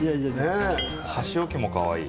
箸置きも、かわいい。